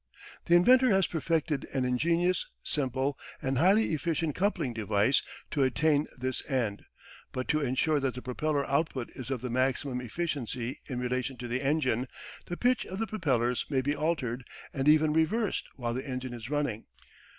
The inventor has perfected an ingenious, simple, and highly efficient coupling device to attain this end, but to ensure that the propeller output is of the maximum efficiency in relation to the engine, the pitch of the propellers may be altered and even reversed while the engine is running.